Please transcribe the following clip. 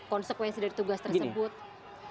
konsekuensi dari tugas tersebut